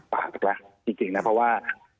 ปากแรกแหละจริงนะเพราะว่า